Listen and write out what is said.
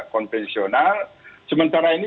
konvensional sementara ini